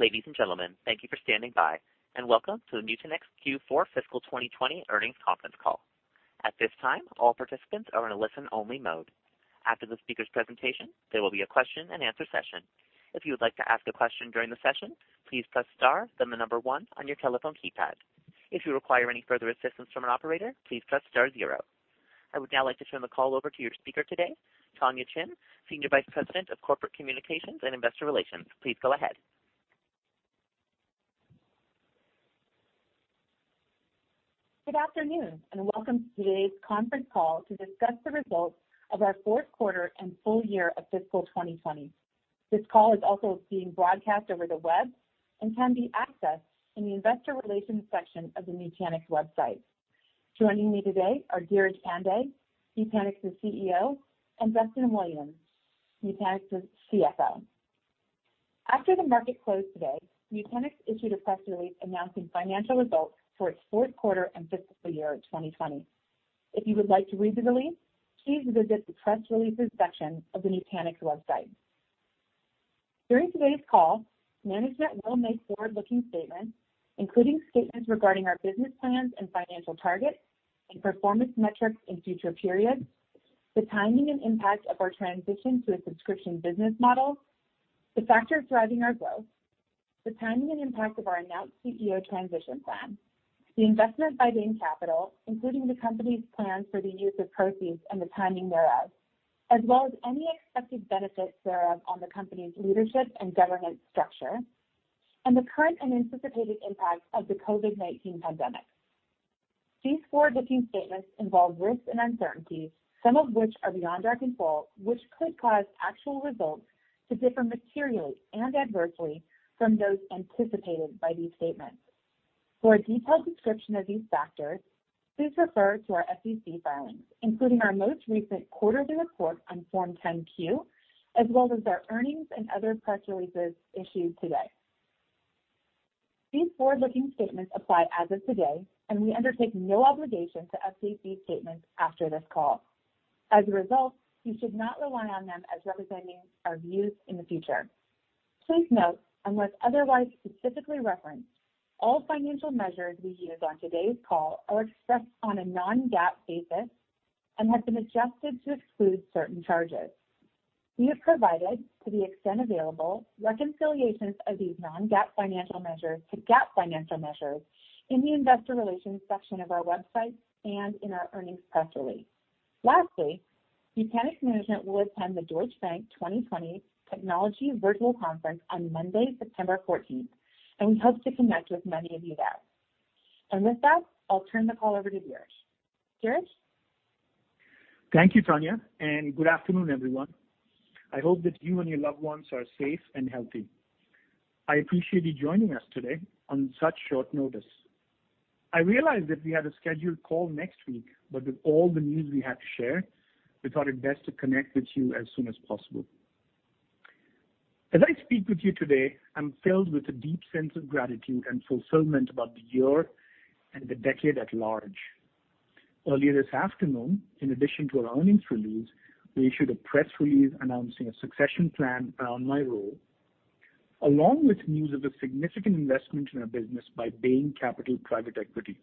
Ladies and gentlemen, thank you for standing by, and welcome to the Nutanix Q4 Fiscal 2020 Earnings Conference Call. At this time, all participants are in a listen-only mode. After the speakers' presentation, there will be a question and answer session. If you would like to ask a question during the session, please press star, then the number one on your telephone keypad. If you require any further assistance from an operator, please press star zero. I would now like to turn the call over to your speaker today, Tonya Chin, Senior Vice President of Corporate Communications and Investor Relations. Please go ahead. Good afternoon, and welcome to today's conference call to discuss the results of our fourth quarter and full year of fiscal 2020. This call is also being broadcast over the web and can be accessed in the investor relations section of the Nutanix website. Joining me today are Dheeraj Pandey, Nutanix's CEO, and Duston Williams, Nutanix's CFO. After the market closed today, Nutanix issued a press release announcing financial results for its fourth quarter and fiscal year 2020. If you would like to read the release, please visit the press releases section of the Nutanix website. During today's call, management will make forward-looking statements, including statements regarding our business plans and financial targets and performance metrics in future periods, the timing and impact of our transition to a subscription business model, the factors driving our growth, the timing and impact of our announced CEO transition plan, the investment by Bain Capital, including the company's plans for the use of proceeds and the timing thereof, as well as any expected benefits thereof on the company's leadership and governance structure, and the current and anticipated impact of the COVID-19 pandemic. These forward-looking statements involve risks and uncertainties, some of which are beyond our control, which could cause actual results to differ materially and adversely from those anticipated by these statements. For a detailed description of these factors, please refer to our SEC filings, including our most recent quarterly report on Form 10-Q, as well as our earnings and other press releases issued today. These forward-looking statements apply as of today, and we undertake no obligation to update these statements after this call. As a result, you should not rely on them as representing our views in the future. Please note, unless otherwise specifically referenced, all financial measures we use on today's call are expressed on a Non-GAAP basis and have been adjusted to exclude certain charges. We have provided, to the extent available, reconciliations of these Non-GAAP financial measures to GAAP financial measures in the investor relations section of our website and in our earnings press release. Lastly, Nutanix management will attend the Deutsche Bank 2020 Technology Virtual Conference on Monday, September 14th, and we hope to connect with many of you there. With that, I'll turn the call over to Dheeraj. Dheeraj? Thank you, Tonya. Good afternoon, everyone. I hope that you and your loved ones are safe and healthy. I appreciate you joining us today on such short notice. I realize that we had a scheduled call next week. With all the news we had to share, we thought it best to connect with you as soon as possible. As I speak with you today, I'm filled with a deep sense of gratitude and fulfillment about the year and the decade at large. Earlier this afternoon, in addition to our earnings release, we issued a press release announcing a succession plan around my role, along with news of a significant investment in our business by Bain Capital Private Equity.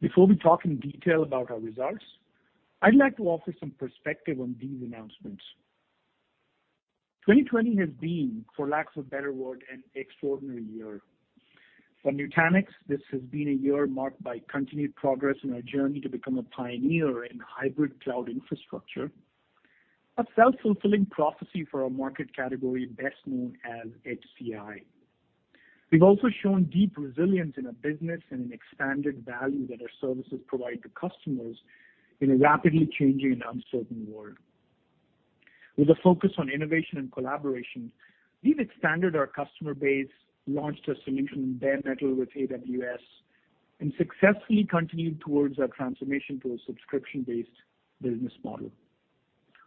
Before we talk in detail about our results, I'd like to offer some perspective on these announcements. 2020 has been, for lack of a better word, an extraordinary year. For Nutanix, this has been a year marked by continued progress in our journey to become a pioneer in hybrid cloud infrastructure, a self-fulfilling prophecy for our market category best known as HCI. We've also shown deep resilience in our business and in expanded value that our services provide to customers in a rapidly changing and uncertain world. With a focus on innovation and collaboration, we've expanded our customer base, launched a solution in Bare Metal with AWS, and successfully continued towards our transformation to a subscription-based business model.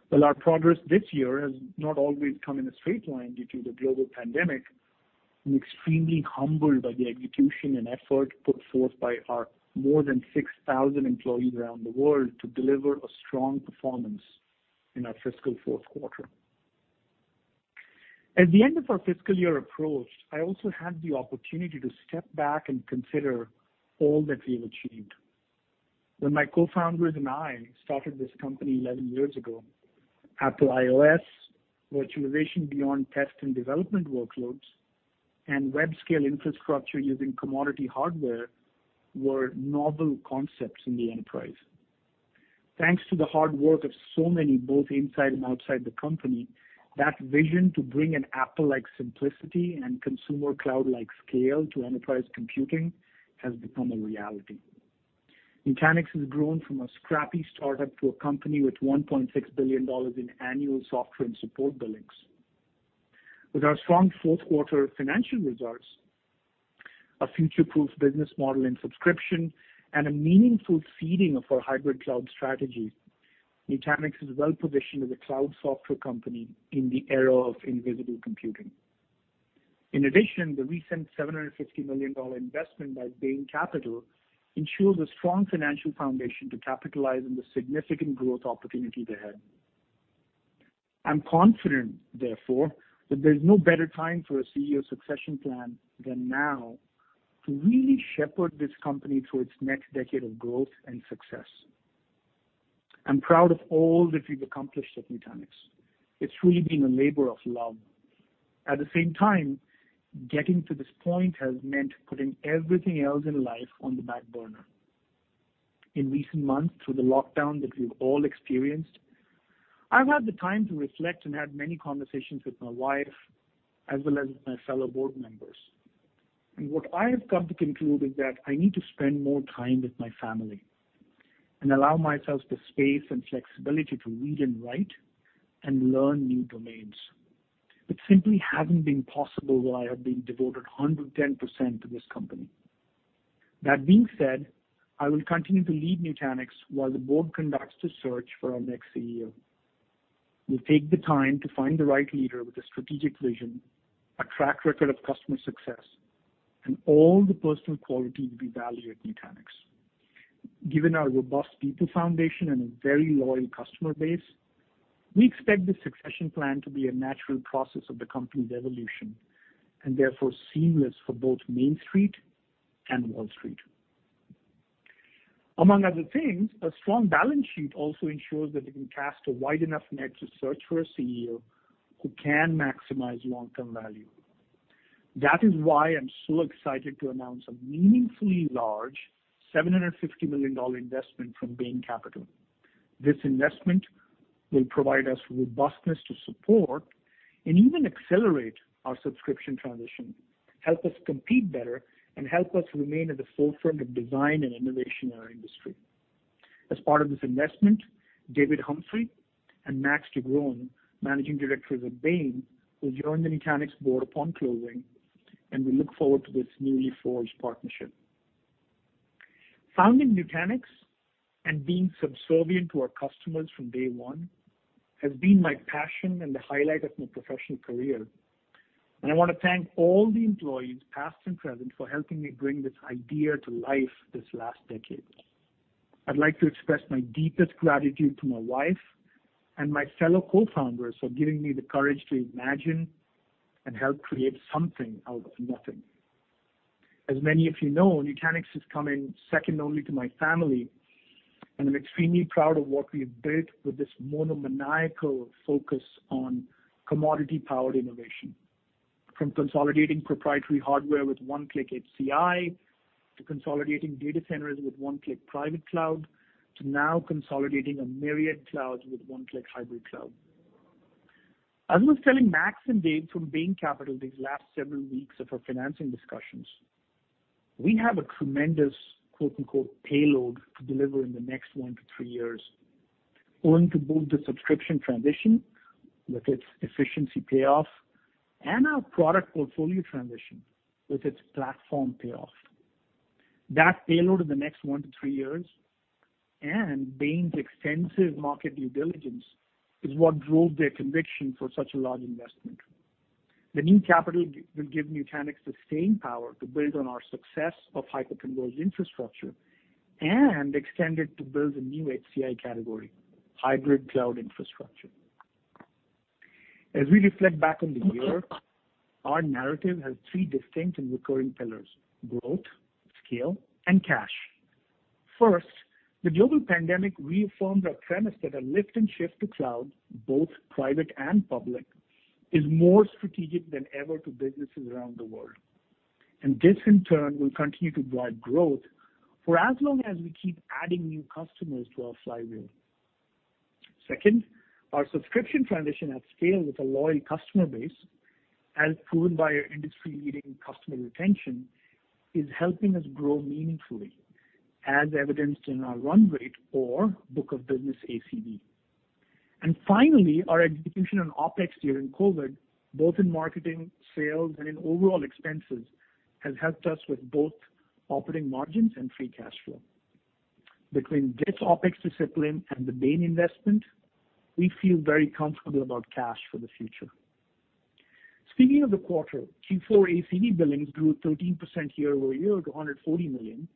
While our progress this year has not always come in a straight line due to the global pandemic, I'm extremely humbled by the execution and effort put forth by our more than 6,000 employees around the world to deliver a strong performance in our fiscal fourth quarter. As the end of our fiscal year approached, I also had the opportunity to step back and consider all that we've achieved. When my co-founders and I started this company 11 years ago, Apple iOS, virtualization beyond test and development workloads, and web-scale infrastructure using commodity hardware were novel concepts in the enterprise. Thanks to the hard work of so many, both inside and outside the company, that vision to bring an Apple-like simplicity and consumer cloud-like scale to enterprise computing has become a reality. Nutanix has grown from a scrappy startup to a company with $1.6 billion in annual software and support billings. With our strong fourth quarter financial results, a future-proof business model in subscription, and a meaningful seeding of our hybrid cloud strategy, Nutanix is well-positioned as a cloud software company in the era of invisible computing. In addition, the recent $750 million investment by Bain Capital ensures a strong financial foundation to capitalize on the significant growth opportunity ahead. I'm confident, therefore, that there's no better time for a CEO succession plan than now to really shepherd this company through its next decade of growth and success. I'm proud of all that we've accomplished at Nutanix. It's really been a labor of love. At the same time, getting to this point has meant putting everything else in life on the back burner. In recent months, through the lockdown that we've all experienced, I've had the time to reflect and had many conversations with my wife as well as my fellow board members. What I have come to conclude is that I need to spend more time with my family and allow myself the space and flexibility to read and write and learn new domains. It simply hasn't been possible while I have been devoted 110% to this company. That being said, I will continue to lead Nutanix while the board conducts a search for our next CEO. We'll take the time to find the right leader with a strategic vision, a track record of customer success, and all the personal qualities we value at Nutanix. Given our robust people foundation and a very loyal customer base, we expect this succession plan to be a natural process of the company's evolution, and therefore seamless for both Main Street and Wall Street. Among other things, a strong balance sheet also ensures that we can cast a wide enough net to search for a CEO who can maximize long-term value. That is why I'm so excited to announce a meaningfully large $750 million investment from Bain Capital. This investment will provide us robustness to support and even accelerate our subscription transition, help us compete better, and help us remain at the forefront of design and innovation in our industry. As part of this investment, David Humphrey and Max de Groen, managing directors at Bain, will join the Nutanix board upon closing, and we look forward to this newly forged partnership. Founding Nutanix and being subservient to our customers from day one has been my passion and the highlight of my professional career, and I want to thank all the employees, past and present, for helping me bring this idea to life this last decade. I'd like to express my deepest gratitude to my wife and my fellow co-founders for giving me the courage to imagine and help create something out of nothing. As many of you know, Nutanix has come in second only to my family, and I'm extremely proud of what we've built with this monomaniacal focus on commodity-powered innovation. From consolidating proprietary hardware with one-click HCI, to consolidating data centers with one-click private cloud, to now consolidating a myriad cloud with one-click hybrid cloud. As I was telling Max and Dave from Bain Capital these last several weeks of our financing discussions, we have a tremendous "payload" to deliver in the next one to three years owing to both the subscription transition with its efficiency payoff and our product portfolio transition with its platform payoff. That payload in the next one to three years and Bain's extensive market due diligence is what drove their conviction for such a large investment. The new capital will give Nutanix the staying power to build on our success of hyper-converged infrastructure and extend it to build a new HCI category, hybrid cloud infrastructure. As we reflect back on the year, our narrative has three distinct and recurring pillars: growth, scale, and cash. First, the global pandemic reaffirmed our premise that a lift and shift to cloud, both private and public, is more strategic than ever to businesses around the world. This in turn will continue to drive growth for as long as we keep adding new customers to our flywheel. Second, our subscription transition at scale with a loyal customer base, as proven by our industry-leading customer retention, is helping us grow meaningfully, as evidenced in our run rate or book of business ACV. Finally, our execution on OpEx during COVID, both in marketing, sales, and in overall expenses, has helped us with both operating margins and free cash flow. Between this OpEx discipline and the Bain investment, we feel very comfortable about cash for the future. Speaking of the quarter, Q4 ACV billings grew 13% year-over-year to $140 million.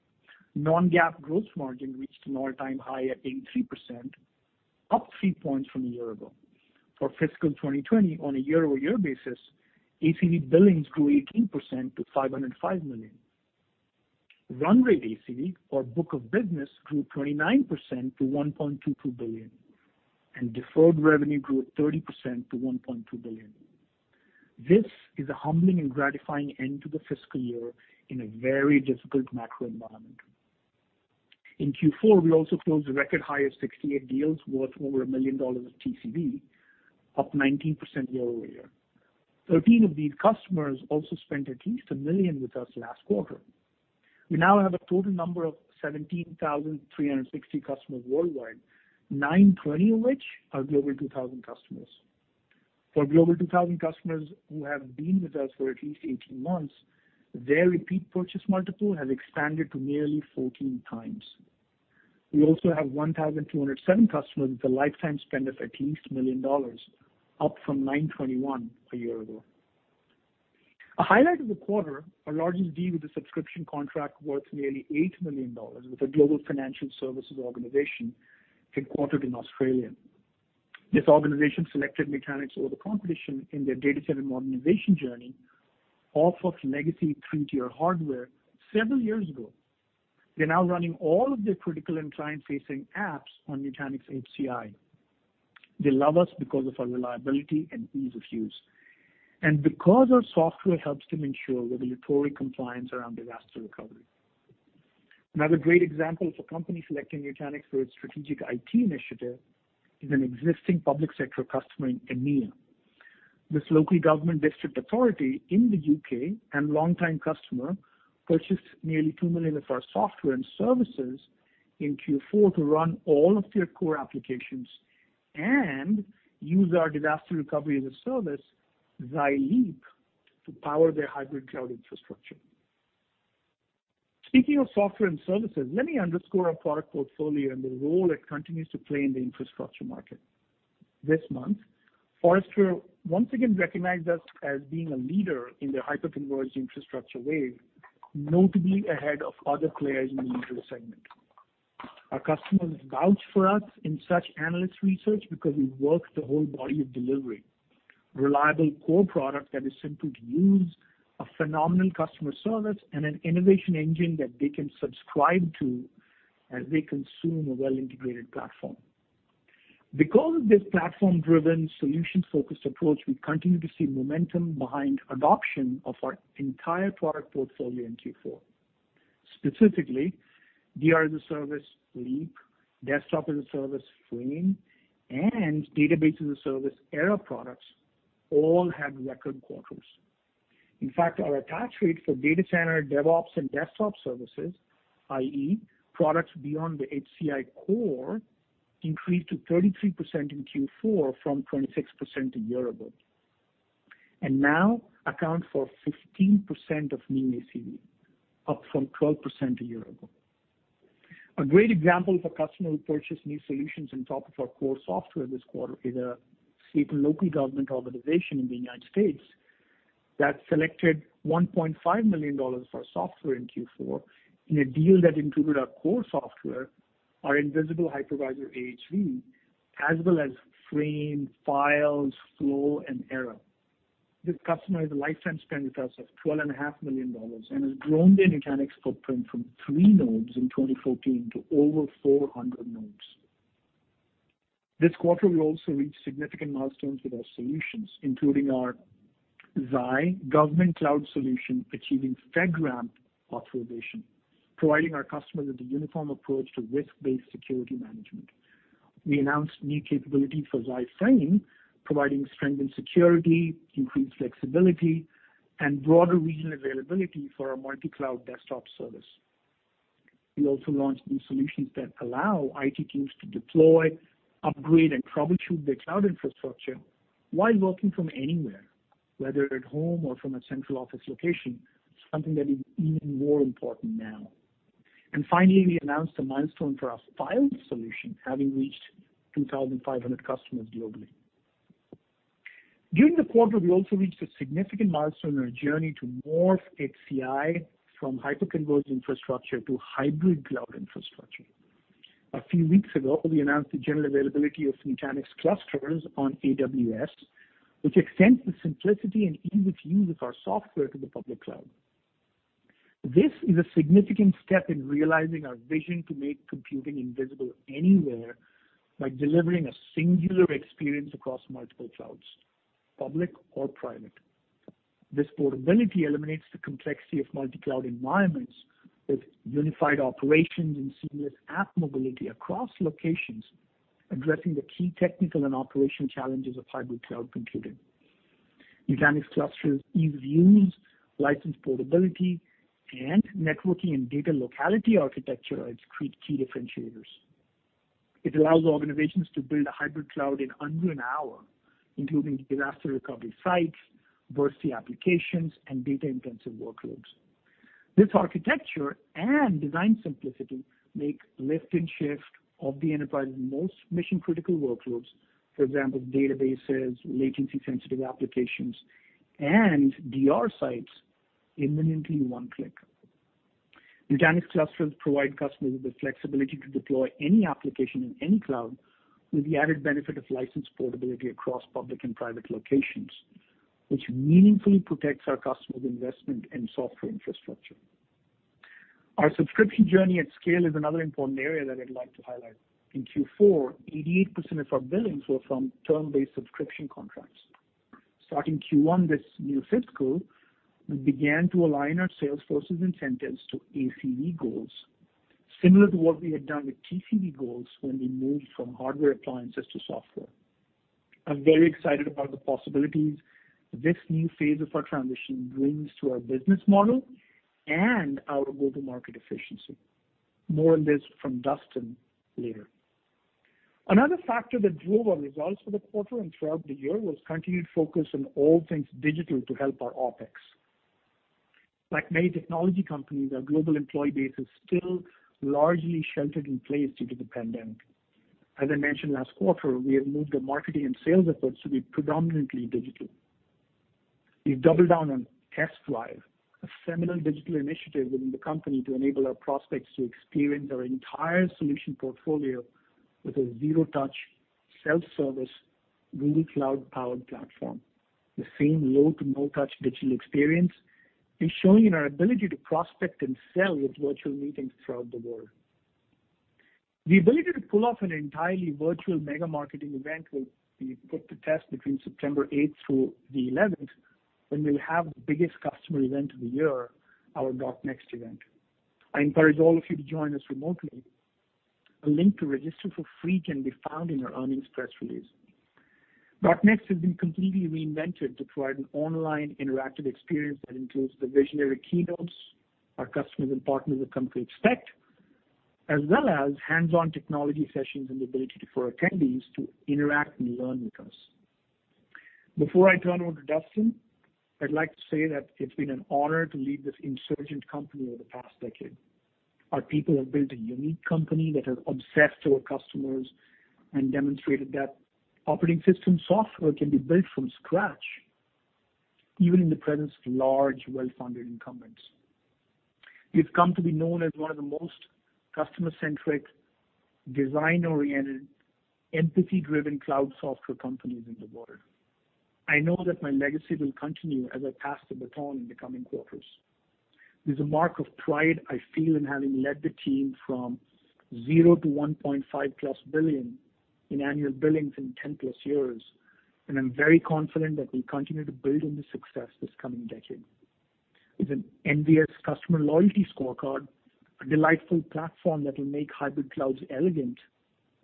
Non-GAAP gross margin reached an all-time high at 83%, up three points from a year-ago. For fiscal 2020 on a year-over-year basis, ACV billings grew 18% to $505 million. Run rate ACV or book of business grew 29% to $1.22 billion, and deferred revenue grew 30% to $1.2 billion. This is a humbling and gratifying end to the fiscal year in a very difficult macro environment. In Q4, we also closed a record high of 68 deals worth over $1 million of TCV, up 19% year-over-year. 13 of these customers also spent at least $1 million with us last quarter. We now have a total number of 17,360 customers worldwide, 920 of which are Global 2000 customers. For Global 2000 customers who have been with us for at least 18 months, their repeat purchase multiple has expanded to nearly 14 times. We also have 1,207 customers with a lifetime spend of at least $1 million, up from 921 a year ago. A highlight of the quarter, our largest deal with a subscription contract worth nearly $8 million with a global financial services organization headquartered in Australia. This organization selected Nutanix over the competition in their data center modernization journey off of legacy three-tier hardware several years ago. They're now running all of their critical and client-facing apps on Nutanix HCI. They love us because of our reliability and ease of use, and because our software helps them ensure regulatory compliance around disaster recovery. Another great example of a company selecting Nutanix for its strategic IT initiative is an existing public sector customer in EMEA. This local government district authority in the U.K., and longtime customer, purchased nearly $2 million of our software and services in Q4 to run all of their core applications and use our disaster recovery as a service, Xi Leap, to power their hybrid cloud infrastructure. Speaking of software and services, let me underscore our product portfolio and the role it continues to play in the infrastructure market. This month, Forrester once again recognized us as being a leader in their hyperconverged infrastructure wave, notably ahead of other players in the neutral segment. Our customers vouch for us in such analyst research because we work the whole body of delivery, reliable core product that is simple to use, a phenomenal customer service, and an innovation engine that they can subscribe to as they consume a well-integrated platform. Because of this platform-driven, solution-focused approach, we continue to see momentum behind adoption of our entire product portfolio in Q4. Specifically, DR as a service, Leap, desktop as a service, Frame, and Database as a Service Era products all had record quarters. In fact, our attach rate for data center DevOps and desktop services, i.e. products beyond the HCI core, increased to 33% in Q4 from 26% a year ago. Now account for 15% of new ACV, up from 12% a year ago. A great example of a customer who purchased new solutions on top of our core software this quarter is a state and local government organization in the United States that selected $1.5 million for software in Q4 in a deal that included our core software, our invisible hypervisor, AHV, as well as Frame, Files, Flow, and Era. This customer has a lifetime spend with us of $12.5 million and has grown their Nutanix footprint from three nodes in 2014 to over 400 nodes. This quarter, we also reached significant milestones with our solutions, including our Xi Government Cloud solution, achieving FedRAMP authorization, providing our customers with a uniform approach to risk-based security management. We announced new capability for Xi Frame, providing strengthened security, increased flexibility, and broader regional availability for our multi-cloud desktop service. We also launched new solutions that allow IT teams to deploy, upgrade, and troubleshoot their cloud infrastructure while working from anywhere, whether at home or from a central office location, something that is even more important now. Finally, we announced a milestone for our Files solution, having reached 2,500 customers globally. During the quarter, we also reached a significant milestone in our journey to morph HCI from hyperconverged infrastructure to hybrid cloud infrastructure. A few weeks ago, we announced the general availability of Nutanix Clusters on AWS, which extends the simplicity and ease of use of our software to the public cloud. This is a significant step in realizing our vision to make computing invisible anywhere by delivering a singular experience across multiple clouds, public or private. This portability eliminates the complexity of multi-cloud environments with unified operations and seamless app mobility across locations, addressing the key technical and operational challenges of hybrid cloud computing. Nutanix Clusters' ease of use, license portability, and networking and data locality architecture are its key differentiators. It allows organizations to build a hybrid cloud in under an hour, including disaster recovery sites, bursty applications, and data-intensive workloads. This architecture and design simplicity make lift and shift of the enterprise's most mission-critical workloads, for example, databases, latency-sensitive applications, and DR sites, imminently one click. Nutanix Clusters provide customers with the flexibility to deploy any application in any cloud with the added benefit of license portability across public and private locations, which meaningfully protects our customers' investment in software infrastructure. Our subscription journey at scale is another important area that I'd like to highlight. In Q4, 88% of our billings were from term-based subscription contracts. Starting Q1 this new fiscal, we began to align our salesforce's incentives to ACV goals, similar to what we had done with TCV goals when we moved from hardware appliances to software. I'm very excited about the possibilities this new phase of our transition brings to our business model and our go-to-market efficiency. More on this from Duston later. Another factor that drove our results for the quarter and throughout the year was continued focus on all things digital to help our OpEx. Like many technology companies, our global employee base is still largely sheltered in place due to the pandemic. As I mentioned last quarter, we have moved our marketing and sales efforts to be predominantly digital. We've doubled down on Test Drive, a seminal digital initiative within the company to enable our prospects to experience our entire solution portfolio with a zero-touch, self-service, Google Cloud-powered platform. The same low to no-touch digital experience is showing in our ability to prospect and sell with virtual meetings throughout the world. The ability to pull off an entirely virtual mega marketing event will be put to test between September 8th through the 11th, when we'll have the biggest customer event of the year, our .NEXT event. I encourage all of you to join us remotely. A link to register for free can be found in our earnings press release. .NEXT has been completely reinvented to provide an online interactive experience that includes the visionary keynotes our customers and partners have come to expect, as well as hands-on technology sessions and the ability for attendees to interact and learn with us. Before I turn over to Duston, I'd like to say that it's been an honor to lead this insurgent company over the past decade. Our people have built a unique company that has obsessed over customers and demonstrated that operating system software can be built from scratch, even in the presence of large, well-funded incumbents. We've come to be known as one of the most customer-centric, design-oriented, empathy-driven cloud software companies in the world. I know that my legacy will continue as I pass the baton in the coming quarters. There's a mark of pride I feel in having led the team from zero to $1.5+ billion in annual billings in 10+ years, and I'm very confident that we'll continue to build on this success this coming decade. With an envious customer loyalty scorecard, a delightful platform that will make hybrid clouds elegant,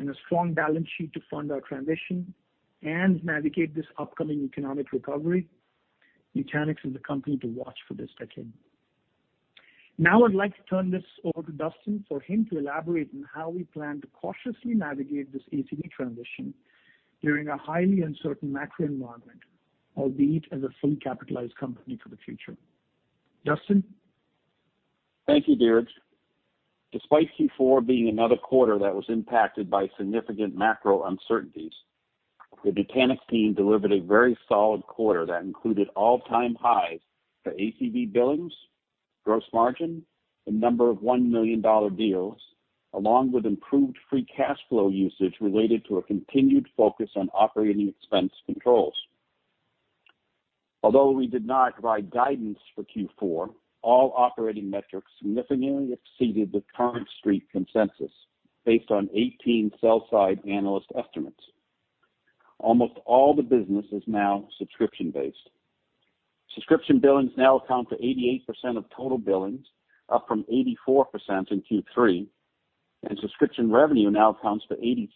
and a strong balance sheet to fund our transition and navigate this upcoming economic recovery, Nutanix is the company to watch for this decade. Now I'd like to turn this over to Duston for him to elaborate on how we plan to cautiously navigate this ACV transition during a highly uncertain macro environment, albeit as a fully capitalized company for the future. Duston? Thank you, Dheeraj. Despite Q4 being another quarter that was impacted by significant macro uncertainties, the Nutanix team delivered a very solid quarter that included all-time highs for ACV billings, gross margin, and number of $1 million deals, along with improved free cash flow usage related to a continued focus on operating expense controls. Although we did not provide guidance for Q4, all operating metrics significantly exceeded the current Street consensus based on 18 sell-side analyst estimates. Almost all the business is now subscription-based. Subscription billings now account for 88% of total billings, up from 84% in Q3, and subscription revenue now accounts for 87%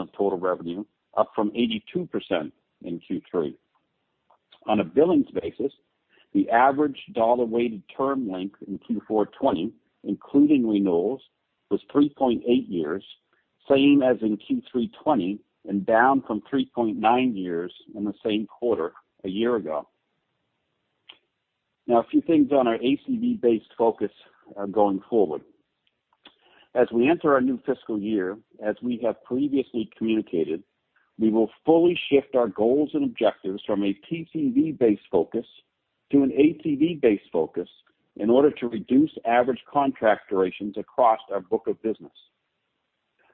of total revenue, up from 82% in Q3. On a billings basis, the average dollar-weighted term length in Q4 2020, including renewals, was 3.8 years, same as in Q3 2020, and down from 3.9 years in the same quarter a year ago. Now, a few things on our ACV-based focus going forward. As we enter our new fiscal year, as we have previously communicated, we will fully shift our goals and objectives from a TCV-based focus to an ACV-based focus in order to reduce average contract durations across our book of business.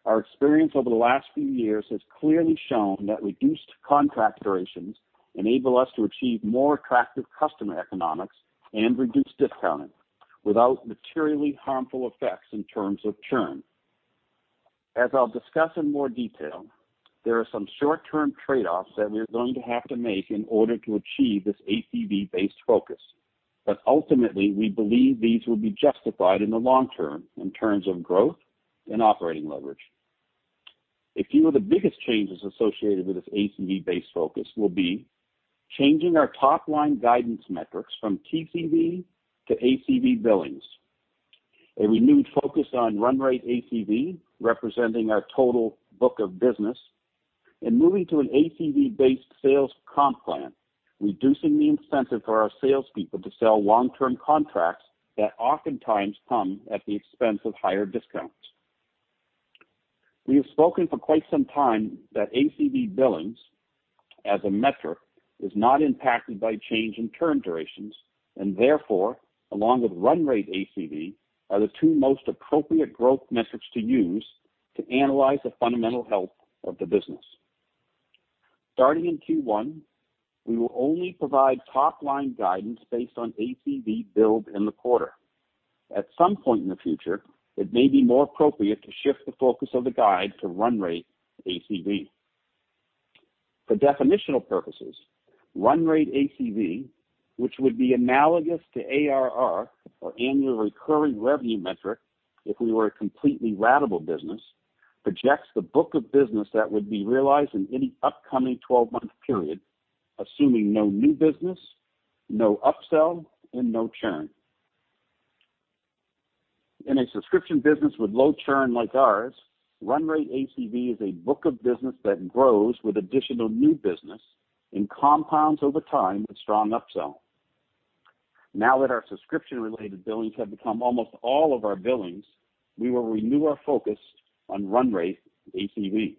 Our experience over the last few years has clearly shown that reduced contract durations enable us to achieve more attractive customer economics and reduce discounting without materially harmful effects in terms of churn. As I'll discuss in more detail, there are some short-term trade-offs that we're going to have to make in order to achieve this ACV-based focus. Ultimately, we believe these will be justified in the long term in terms of growth and operating leverage. A few of the biggest changes associated with this ACV-based focus will be changing our top-line guidance metrics from TCV to ACV billings, a renewed focus on run rate ACV, representing our total book of business, and moving to an ACV-based sales comp plan, reducing the incentive for our salespeople to sell long-term contracts that oftentimes come at the expense of higher discounts. We have spoken for quite some time that ACV billings as a metric is not impacted by change in term durations, and therefore, along with run rate ACV, are the two most appropriate growth metrics to use to analyze the fundamental health of the business. Starting in Q1, we will only provide top-line guidance based on ACV billed in the quarter. At some point in the future, it may be more appropriate to shift the focus of the guide to run rate ACV. For definitional purposes, run rate ACV, which would be analogous to ARR, or annual recurring revenue metric, if we were a completely ratable business, projects the book of business that would be realized in any upcoming 12-month period, assuming no new business, no upsell, and no churn. In a subscription business with low churn like ours, run rate ACV is a book of business that grows with additional new business and compounds over time with strong upsell. Now that our subscription-related billings have become almost all of our billings, we will renew our focus on run rate ACV.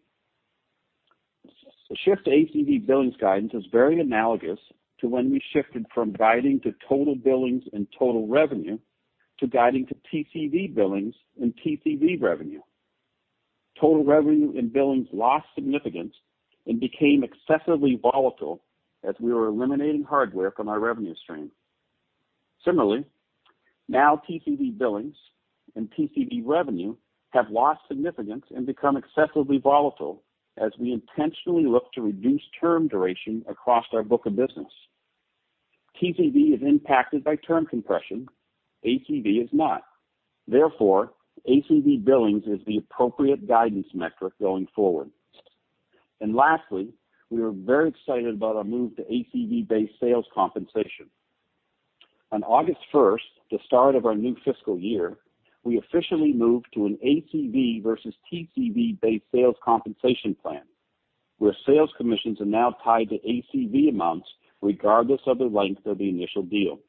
The shift to ACV billings guidance is very analogous to when we shifted from guiding to total billings and total revenue to guiding to TCV billings and TCV revenue. Total revenue and billings lost significance and became excessively volatile as we were eliminating hardware from our revenue stream. Similarly, now TCV billings and TCV revenue have lost significance and become excessively volatile as we intentionally look to reduce term duration across our book of business. TCV is impacted by term compression, ACV is not. Therefore, ACV billings is the appropriate guidance metric going forward. Lastly, we are very excited about our move to ACV-based sales compensation. On August first, the start of our new fiscal year, we officially moved to an ACV versus TCV-based sales compensation plan, where sales commissions are now tied to ACV amounts regardless of the length of the initial deal.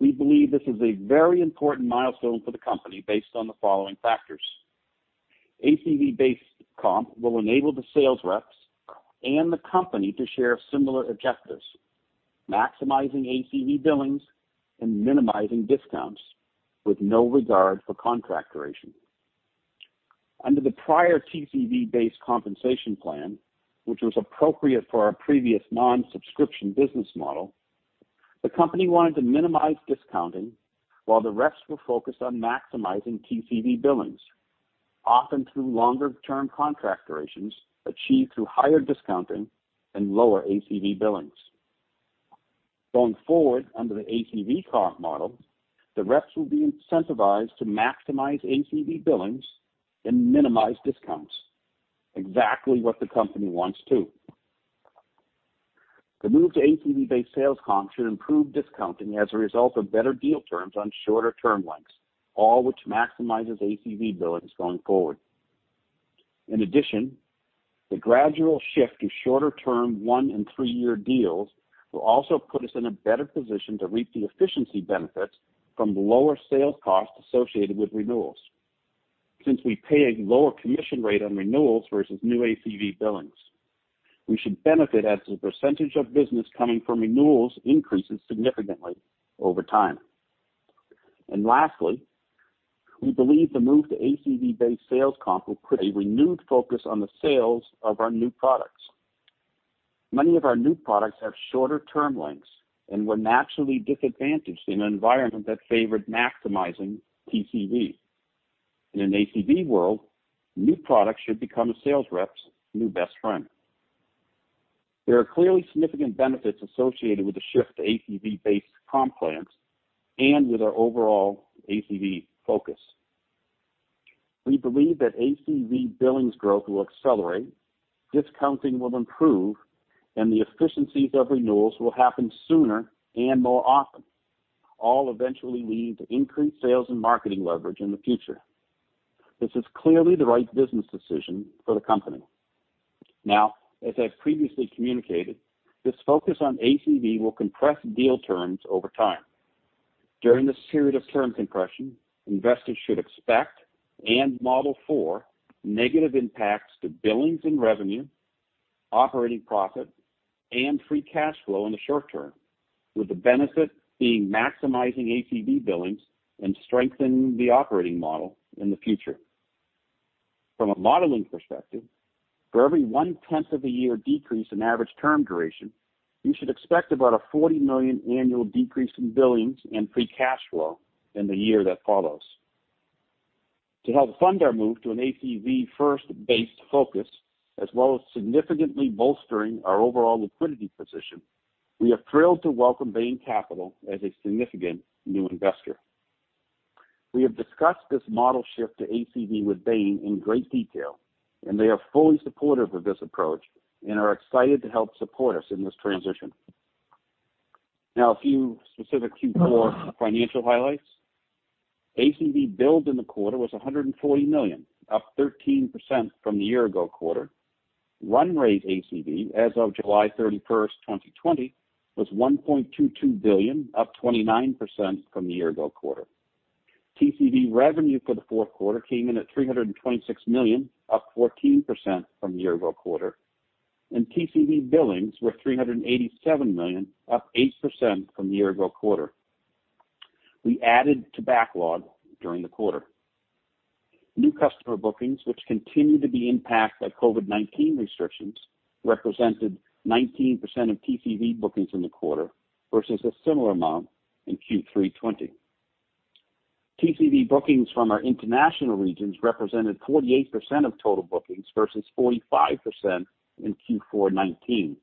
We believe this is a very important milestone for the company based on the following factors. ACV-based comp will enable the sales reps and the company to share similar objectives, maximizing ACV billings and minimizing discounts with no regard for contract duration. Under the prior TCV-based compensation plan, which was appropriate for our previous non-subscription business model, the company wanted to minimize discounting while the reps were focused on maximizing TCV billings, often through longer-term contract durations achieved through higher discounting and lower ACV billings. Going forward under the ACV comp model, the reps will be incentivized to maximize ACV billings and minimize discounts, exactly what the company wants, too. The move to ACV-based sales comp should improve discounting as a result of better deal terms on shorter term lengths, all which maximizes ACV billings going forward. In addition, the gradual shift to shorter-term one and three-year deals will also put us in a better position to reap the efficiency benefits from the lower sales costs associated with renewals. Since we pay a lower commission rate on renewals versus new ACV billings, we should benefit as the percentage of business coming from renewals increases significantly over time. Lastly, we believe the move to ACV-based sales comp will put a renewed focus on the sales of our new products. Many of our new products have shorter term lengths and were naturally disadvantaged in an environment that favored maximizing TCV. In an ACV world, new products should become a sales rep's new best friend. There are clearly significant benefits associated with the shift to ACV-based comp plans and with our overall ACV focus. We believe that ACV billings growth will accelerate, discounting will improve, and the efficiencies of renewals will happen sooner and more often, all eventually lead to increased sales and marketing leverage in the future. This is clearly the right business decision for the company. Now, as I've previously communicated, this focus on ACV will compress deal terms over time. During this period of term compression, investors should expect and model for negative impacts to billings and revenue, operating profit, and free cash flow in the short term, with the benefit being maximizing ACV billings and strengthen the operating model in the future. From a modeling perspective, for every one-tenth of a year decrease in average term duration, you should expect about a $40 million annual decrease in billings and free cash flow in the year that follows. To help fund our move to an ACV first-based focus, as well as significantly bolstering our overall liquidity position, we are thrilled to welcome Bain Capital as a significant new investor. We have discussed this model shift to ACV with Bain in great detail, and they are fully supportive of this approach and are excited to help support us in this transition. Now, a few specific Q4 financial highlights. ACV billed in the quarter was $140 million, up 13% from the year ago quarter. Run rate ACV as of July 31st, 2020, was $1.22 billion, up 29% from the year ago quarter. TCV revenue for the fourth quarter came in at $326 million, up 14% from the year ago quarter, and TCV billings were $387 million, up 8% from the year ago quarter. We added to backlog during the quarter. New customer bookings, which continued to be impacted by COVID-19 restrictions, represented 19% of TCV bookings in the quarter versus a similar amount in Q3 2020. TCV bookings from our international regions represented 48% of total bookings versus 45% in Q4 2019.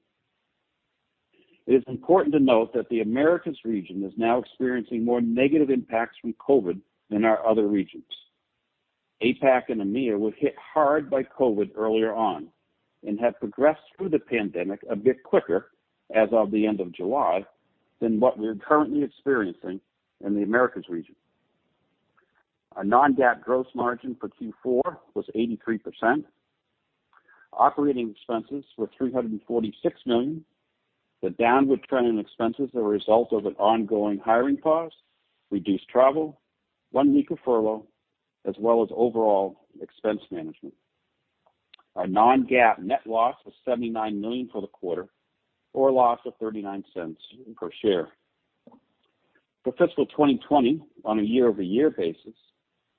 It is important to note that the Americas region is now experiencing more negative impacts from COVID than our other regions. APAC and EMEA were hit hard by COVID earlier on and have progressed through the pandemic a bit quicker as of the end of July than what we're currently experiencing in the Americas region. Our Non-GAAP gross margin for Q4 was 83%. Operating expenses were $346 million. The downward trend in expenses are a result of an ongoing hiring pause, reduced travel, one week of furlough, as well as overall expense management. Our Non-GAAP net loss was $79 million for the quarter, or a loss of $0.39 per share. For fiscal 2020, on a year-over-year basis,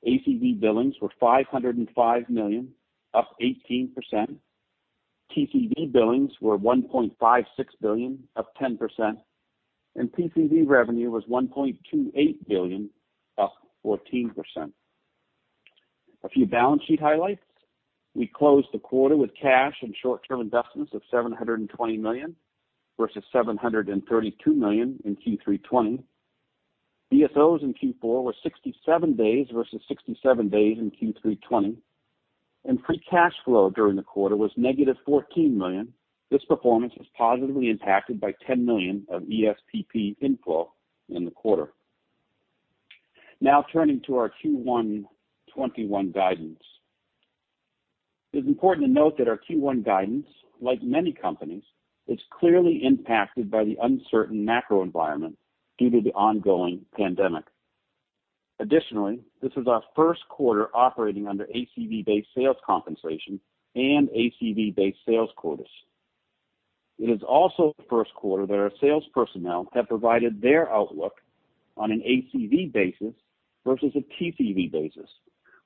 ACV billings were $505 million, up 18%. TCV billings were $1.56 billion, up 10%, and TCV revenue was $1.28 billion, up 14%. A few balance sheet highlights. We closed the quarter with cash and short-term investments of $720 million versus $732 million in Q3 2020. DSOs in Q4 were 67 days versus 67 days in Q3 2020. Free cash flow during the quarter was negative $14 million. This performance was positively impacted by $10 million of ESPP inflow in the quarter. Turning to our Q1 2021 guidance. It is important to note that our Q1 guidance, like many companies, is clearly impacted by the uncertain macro environment due to the ongoing pandemic. Additionally, this is our first quarter operating under ACV-based sales compensation and ACV-based sales quotas. It is also the first quarter that our sales personnel have provided their outlook on an ACV basis versus a TCV basis,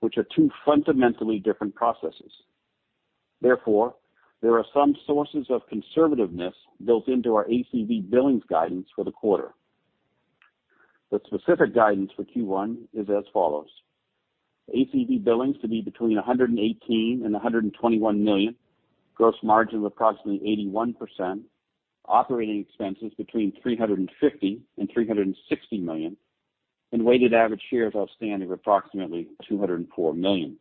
which are two fundamentally different processes. Therefore, there are some sources of conservativeness built into our ACV billings guidance for the quarter. The specific guidance for Q1 is as follows. ACV billings to be between $118 million and $121 million, gross margin of approximately 81%, operating expenses between $350 million and $360 million, and weighted average shares outstanding of approximately 204 million.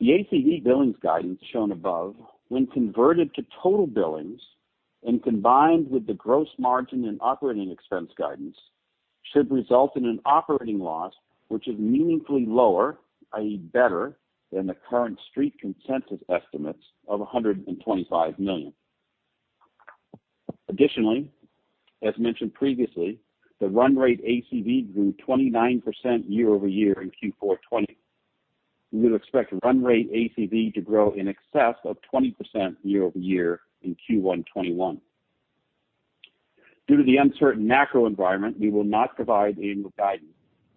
The ACV billings guidance shown above, when converted to total billings and combined with the gross margin and operating expense guidance, should result in an operating loss which is meaningfully lower, i.e., better, than the current street consensus estimates of $125 million. As mentioned previously, the run rate ACV grew 29% year-over-year in Q4 2020. We would expect run rate ACV to grow in excess of 20% year-over-year in Q1 2021. Due to the uncertain macro environment, we will not provide annual guidance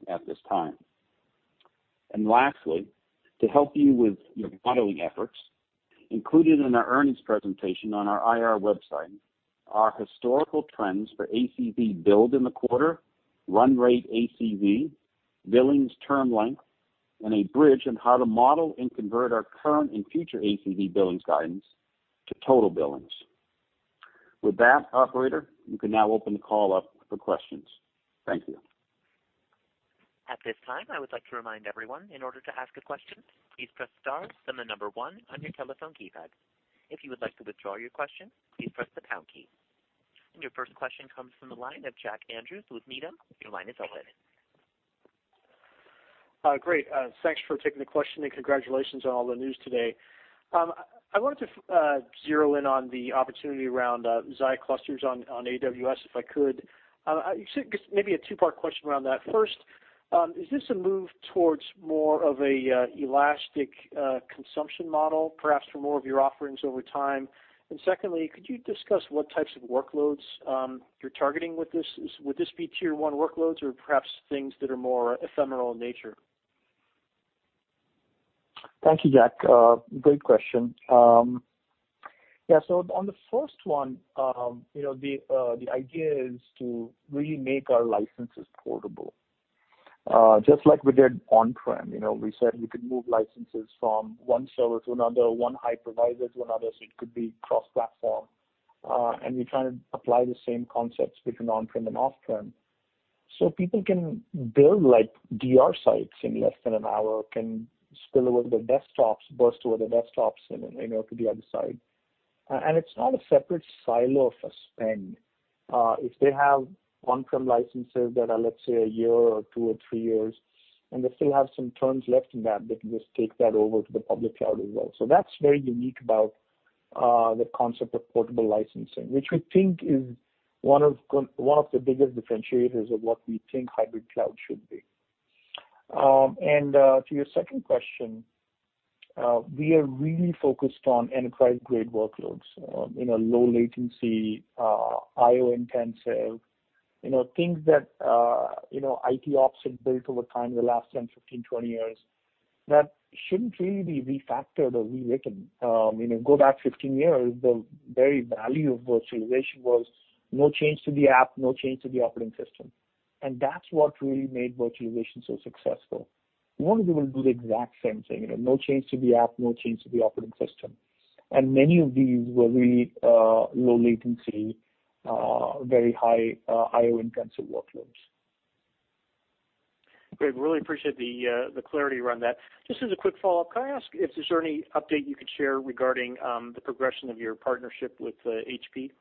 at this time. Lastly, to help you with your modeling efforts, included in our earnings presentation on our IR website are historical trends for ACV billed in the quarter, run rate ACV, billings term length, and a bridge on how to model and convert our current and future ACV billings guidance to total billings. With that, operator, you can now open the call up for questions. Thank you. At this time, I would like to remind everyone, in order to ask a question, please press star then the number 1 on your telephone keypad. If you would like to withdraw your question, please press the pound key. Your first question comes from the line of Jack Andrews with Needham. Your line is open. Great. Thanks for taking the question. Congratulations on all the news today. I wanted to zero in on the opportunity around Xi Clusters on AWS, if I could. Maybe a two-part question around that. First, is this a move towards more of an elastic consumption model, perhaps for more of your offerings over time? Secondly, could you discuss what types of workloads you're targeting with this? Would this be tier 1 workloads or perhaps things that are more ephemeral in nature? Thank you, Jack. Great question. Yeah. On the first one, the idea is to really make our licenses portable. Just like we did on-prem. We said we could move licenses from one server to another, one hypervisor to another, so it could be cross-platform. We're trying to apply the same concepts between on-prem and off-prem so people can build DR sites in less than an hour, can spill over their desktops, burst over their desktops, then to the other side. It's not a separate silo for spend. If they have on-prem licenses that are, let's say, a year or two or three years, and they still have some terms left in that, they can just take that over to the public cloud as well. That's very unique about the concept of portable licensing, which we think is one of the biggest differentiators of what we think hybrid cloud should be. To your second question, we are really focused on enterprise-grade workloads, low latency, IO-intensive, things that IT ops have built over time in the last 10, 15, 20 years that shouldn't really be refactored or rewritten. Go back 15 years, the very value of virtualization was no change to the app, no change to the operating system. That's what really made virtualization so successful. We want to be able to do the exact same thing. No change to the app, no change to the operating system. Many of these were really low latency, very high I/O intensive workloads. Great. Really appreciate the clarity around that. Just as a quick follow-up, can I ask if is there any update you could share regarding the progression of your partnership with HPE?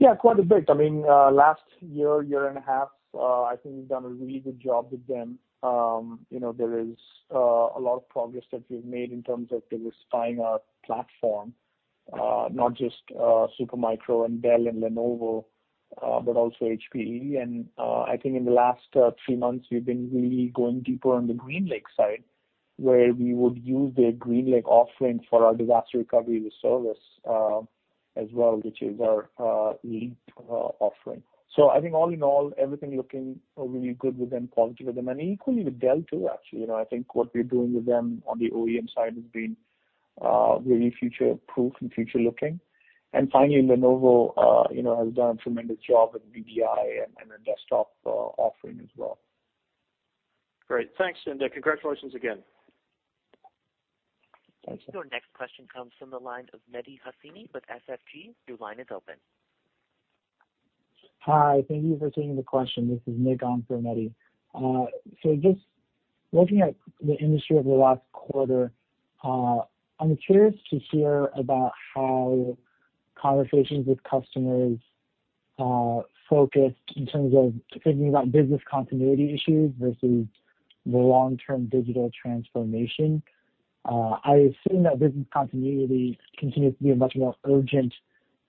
Yeah, quite a bit. Last year and a half, I think we've done a really good job with them. There is a lot of progress that we've made in terms of diversifying our platform, not just Supermicro and Dell and Lenovo, but also HPE. I think in the last three months, we've been really going deeper on the GreenLake side, where we would use their GreenLake offering for our disaster recovery as a service, as well, which is our Leap offering. I think all in all, everything looking really good with them, positive with them. Equally with Dell, too, actually. I think what we're doing with them on the OEM side has been really future-proof and future-looking. Finally, Lenovo has done a tremendous job with VDI and their desktop offering as well. Great. Thanks, Sundar. Congratulations again. Thank you. Your next question comes from the line of Mehdi Hosseini with SIG. Your line is open. Hi. Thank you for taking the question. This is Nick on for Mehdi. Just looking at the industry over the last quarter, I'm curious to hear about how conversations with customers focused in terms of thinking about business continuity issues versus the long-term digital transformation. I assume that business continuity continues to be a much more urgent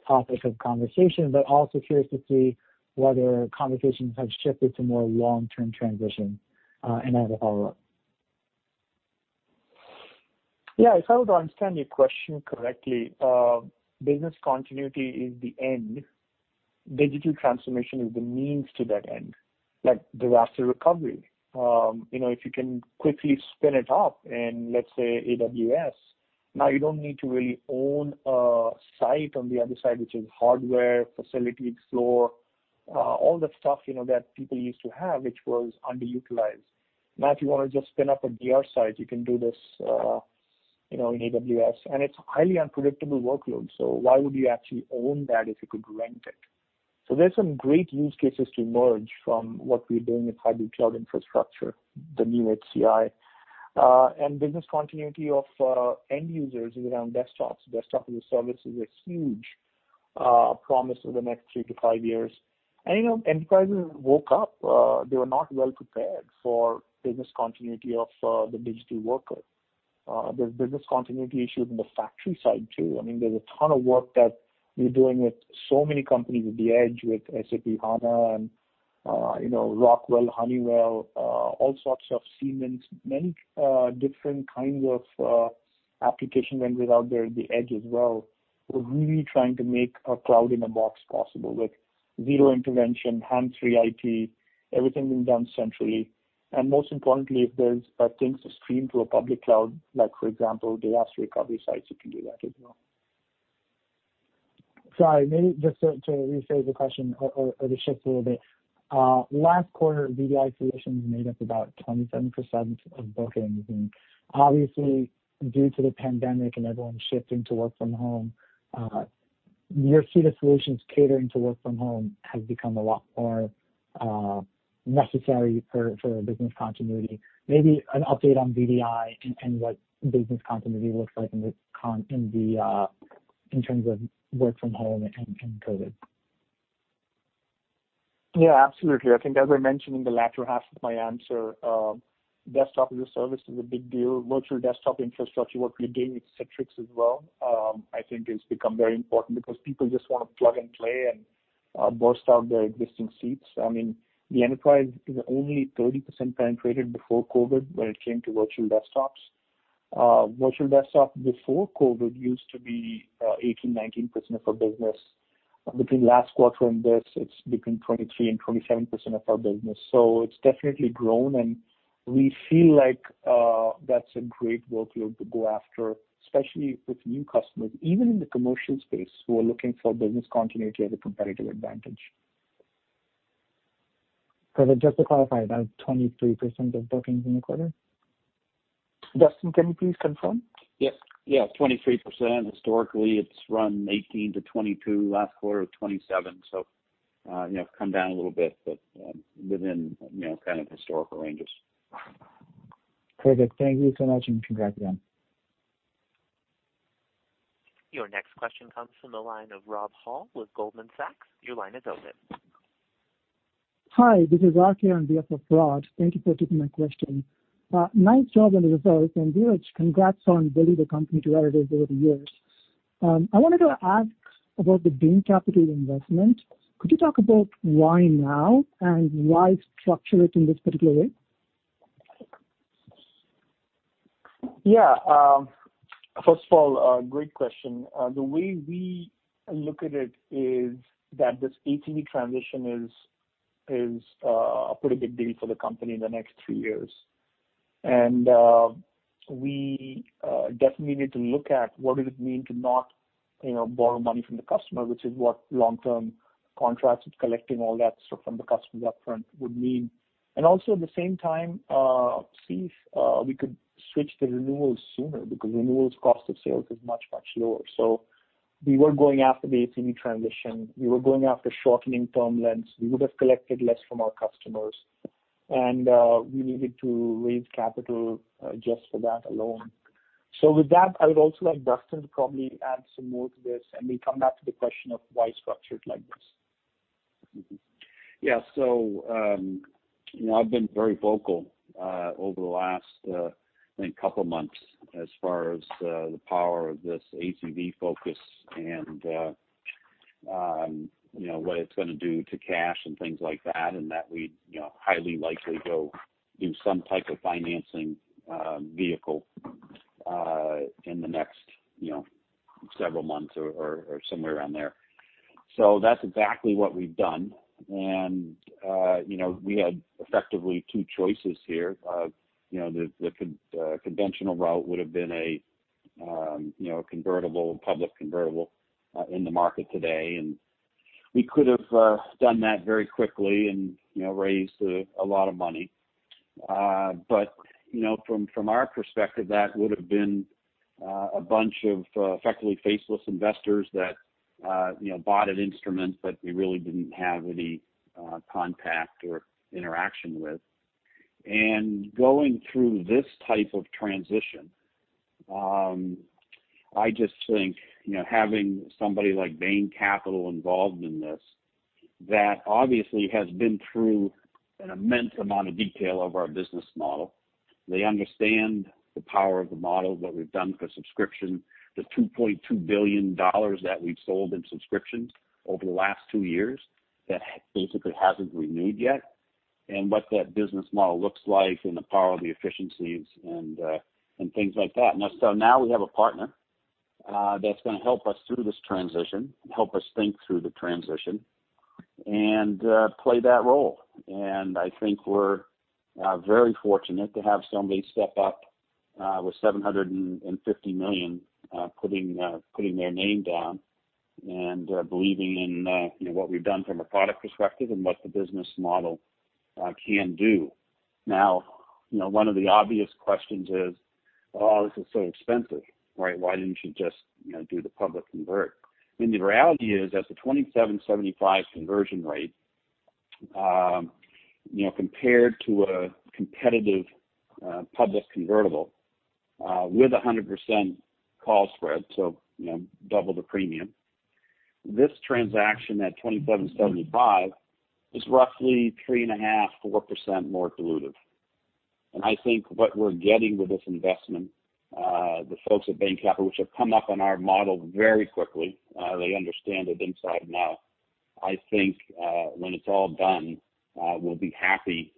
topic of conversation, but also curious to see whether conversations have shifted to more long-term transition. I have a follow-up. Yeah, if I were to understand your question correctly, business continuity is the end. Digital transformation is the means to that end, like disaster recovery. If you can quickly spin it up in, let's say, AWS, now you don't need to really own a site on the other side, which is hardware, facility, floor, all that stuff that people used to have, which was underutilized. Now, if you want to just spin up a DR site, you can do this in AWS. It's highly unpredictable workload, so why would you actually own that if you could rent it? There's some great use cases to emerge from what we're doing with hybrid cloud infrastructure, the new HCI. Business continuity of end users is around desktops. Desktop as a service is a huge promise for the next three to five years. Enterprises woke up, they were not well prepared for business continuity of the digital worker. There's business continuity issues in the factory side, too. There's a ton of work that we're doing with so many companies at the edge with SAP HANA and Rockwell, Honeywell, all sorts of Siemens, many different kinds of application vendors out there at the edge as well. We're really trying to make a cloud in a box possible with zero intervention, hands-free IT, everything being done centrally. Most importantly, if there's things to stream to a public cloud, like for example, disaster recovery sites, you can do that as well. Sorry, maybe just to rephrase the question or to shift a little bit. Last quarter, VDI solutions made up about 27% of bookings, obviously due to the pandemic and everyone shifting to work from home, your suite of solutions catering to work from home has become a lot more necessary for business continuity. Maybe an update on VDI and what business continuity looks like in terms of work from home and COVID. Absolutely. I think as I mentioned in the latter half of my answer, Desktop-as-a-Service is a big deal. virtual desktop infrastructure work we're doing with Citrix as well, I think has become very important because people just want to plug and play and burst out their existing seats. The enterprise is only 30% penetrated before COVID-19 when it came to virtual desktops. virtual desktop before COVID-19 used to be 18%, 19% of our business. Between last quarter and this, it's between 23% and 27% of our business. It's definitely grown, and we feel like that's a great workload to go after, especially with new customers, even in the commercial space, who are looking for business continuity as a competitive advantage. Perfect. Just to clarify, about 23% of bookings in the quarter? Duston, can you please confirm? Yes. 23%. Historically, it's run 18-22, last quarter was 27, so come down a little bit, but within kind of historical ranges. Perfect. Thank you so much, and congrats again. Your next question comes from the line of Rob Hall with Goldman Sachs. Your line is open. Hi, this is Rob Hall here on behalf of Rod. Thank you for taking my question. Nice job on the results, and DH, congrats on building the company to where it is over the years. I wanted to ask about the Bain Capital investment. Could you talk about why now and why structure it in this particular way? Yeah. First of all, great question. The way we look at it is that this ACV transition is a pretty big deal for the company in the next three years. We definitely need to look at what does it mean to not borrow money from the customer, which is what long-term contracts, collecting all that stuff from the customer upfront would mean. Also at the same time, see if we could switch the renewals sooner, because renewals cost of sales is much, much lower. We were going after the ACV transition. We were going after shortening term lengths. We would've collected less from our customers, and we needed to raise capital just for that alone. With that, I would also like Duston to probably add some more to this, and we come back to the question of why structured like this. Yeah. I've been very vocal over the last, I think, two months as far as the power of this ACV focus and what it's going to do to cash and things like that, and that we'd highly likely go do some type of financing vehicle, in the next several months or somewhere around there. That's exactly what we've done. We had effectively two choices here. The conventional route would've been a public convertible in the market today, and we could have done that very quickly and raised a lot of money. From our perspective, that would've been a bunch of effectively faceless investors that bought an instrument, but we really didn't have any contact or interaction with. Going through this type of transition, I just think, having somebody like Bain Capital involved in this, that obviously has been through an immense amount of detail of our business model. They understand the power of the model, what we've done for subscription, the $2.2 billion that we've sold in subscriptions over the last two years that basically hasn't renewed yet, and what that business model looks like and the power of the efficiencies and things like that. Now we have a partner that's going to help us through this transition and help us think through the transition and play that role. I think we're very fortunate to have somebody step up, with $750 million, putting their name down and believing in what we've done from a product perspective and what the business model can do. One of the obvious questions is, this is so expensive, right? Why didn't you just do the public convert? I mean, the reality is, as a 27.75 conversion rate, compared to a competitive public convertible with 100% call spread, so double the premium. This transaction at 27.75 is roughly 3.5%, 4% more dilutive. I think what we're getting with this investment, the folks at Bain Capital, which have come up on our model very quickly, they understand it inside and out. I think, when it's all done, we'll be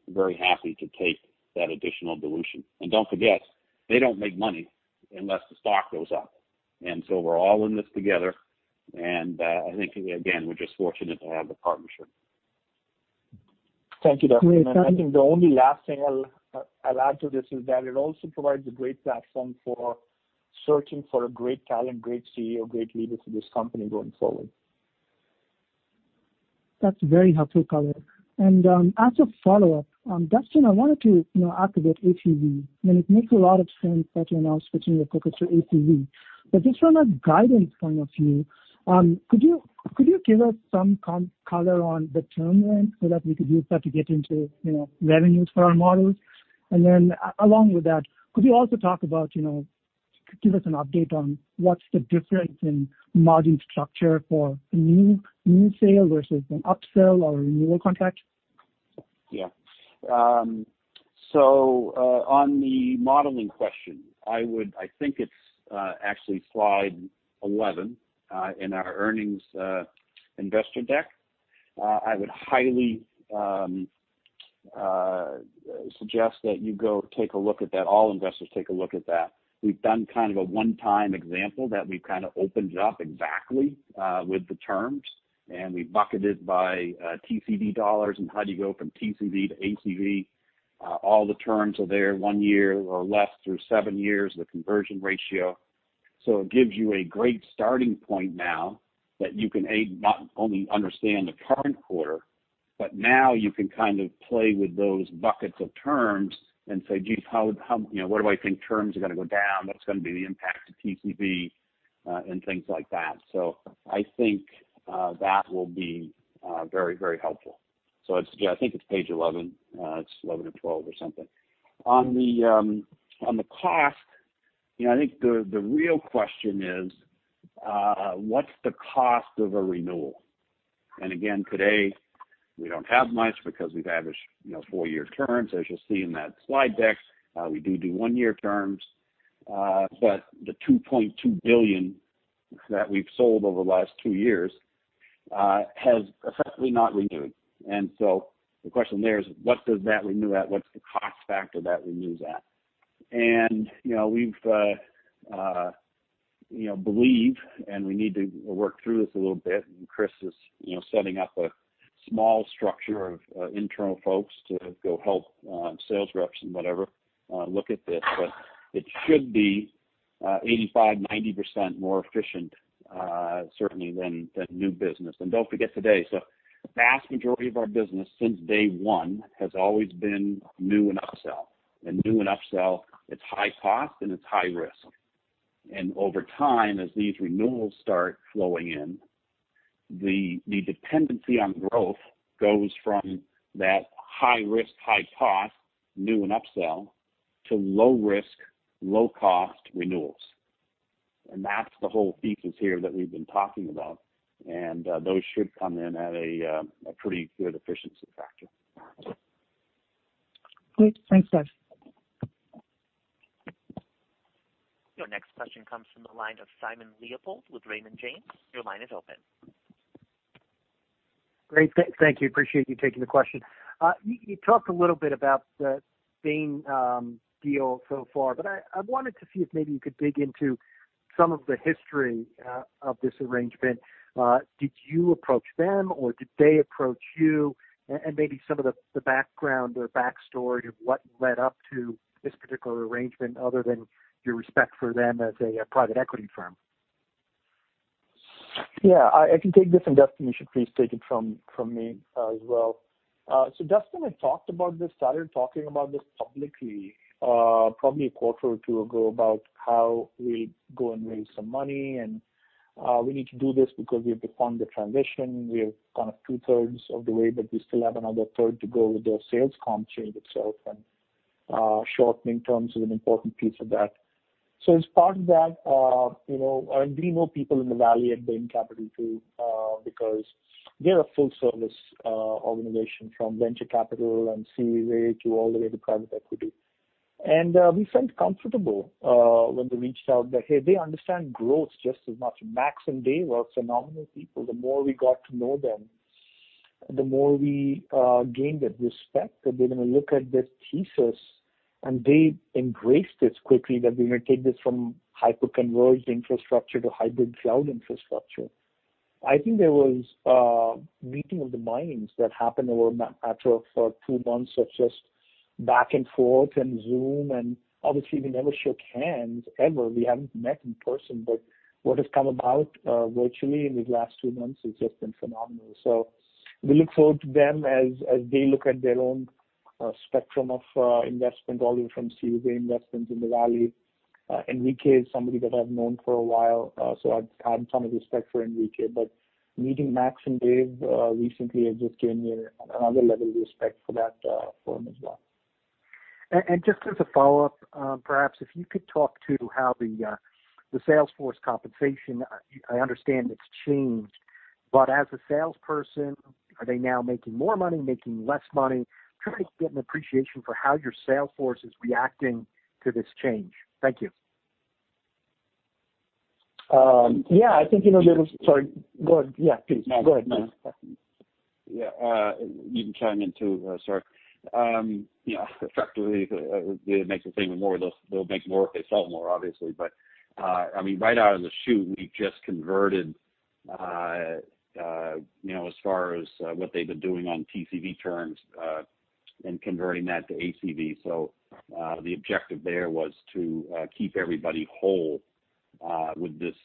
very happy to take that additional dilution. Don't forget, they don't make money unless the stock goes up. We're all in this together. I think again, we're just fortunate to have the partnership. Thank you, Duston. Great. Thank you. I think the only last thing I'll add to this is that it also provides a great platform for searching for a great talent, great CEO, great leader for this company going forward. That's very helpful, Kabir. As a follow-up, Dustin, I wanted to ask about ACV, and it makes a lot of sense that you're now switching your focus to ACV. Just from a guidance point of view, could you give us some color on the term length so that we could use that to get into revenues for our models? Along with that, could you also give us an update on what's the difference in margin structure for a new sale versus an upsell or a renewal contract? So, on the modeling question, I think it's actually slide 11 in our earnings investor deck. I would highly suggest that you go take a look at that. All investors take a look at that. We've done kind of a one-time example that we've kind of opened it up exactly with the terms, and we bucket it by TCV dollars and how do you go from TCV to ACV. All the terms are there, one year or less through seven years, the conversion ratio. It gives you a great starting point now that you can, A, not only understand the current quarter, but now you can kind of play with those buckets of terms and say, "Geez, what do I think terms are gonna go down? What's gonna be the impact to TCV?" and things like that. I think that will be very helpful. I suggest, I think it's page 11. It's 11 or 12 or something. On the cost, I think the real question is, what's the cost of a renewal? Again, today, we don't have much because we've averaged four-year terms, as you'll see in that slide deck. We do one-year terms. The $2.2 billion that we've sold over the last two years has effectively not renewed. The question there is, what does that renew at? What's the cost factor that renews at? We've believed, and we need to work through this a little bit, and Chris is setting up a small structure of internal folks to go help sales reps and whatever look at this. It should be 85%, 90% more efficient certainly than new business. Don't forget today, vast majority of our business since day one has always been new and upsell. New and upsell, it's high cost and it's high risk. Over time, as these renewals start flowing in, the dependency on growth goes from that high risk, high cost, new and upsell, to low risk, low cost renewals. That's the whole thesis here that we've been talking about, and those should come in at a pretty good efficiency factor. Great. Thanks, Doug. Your next question comes from the line of Simon Leopold with Raymond James. Your line is open. Great. Thank you. Appreciate you taking the question. You talked a little bit about the Bain deal so far. I wanted to see if maybe you could dig into some of the history of this arrangement. Did you approach them or did they approach you? Maybe some of the background or backstory of what led up to this particular arrangement, other than your respect for them as a private equity firm. Yeah, I can take this, and Dustin, you should please take it from me as well. Dustin had talked about this, started talking about this publicly probably a quarter or two ago, about how we go and raise some money, and we need to do this because we have to fund the transition. We're kind of two-thirds of the way, but we still have another third to go with the sales comp change itself, and shortening terms is an important piece of that. As part of that, and we know people in the Valley at Bain Capital too because they're a full service organization from venture capital and Series A to all the way to private equity. We felt comfortable when they reached out that, hey, they understand growth just as much. Max and Dave are phenomenal people. The more we got to know them, the more we gained that respect that they're going to look at this thesis, and they embraced this quickly, that we're going to take this from hyper-converged infrastructure to hybrid cloud infrastructure. I think there was a meeting of the minds that happened over a matter of 2 months of just back and forth and Zoom, and obviously we never shook hands, ever. We haven't met in person. What has come about virtually in these last 2 months has just been phenomenal. We look forward to them as they look at their own spectrum of investment, all the way from Series A investments in the Valley. Enrique is somebody that I've known for a while, so I've had some respect for Enrique. Meeting Max and Dave recently has just given me another level of respect for that firm as well. Just as a follow-up, perhaps if you could talk to how the sales force compensation, I understand it's changed. As a salesperson, are they now making more money, making less money? Trying to get an appreciation for how your sales force is reacting to this change. Thank you. Yeah, Sorry, go ahead. Yeah, please. Go ahead, Doug. Yeah. You can chime in too, sorry. Effectively, they make the same or more of those. They'll make more if they sell more, obviously. Right out of the chute, we just converted as far as what they've been doing on TCV terms, and converting that to ACV. The objective there was to keep everybody whole with this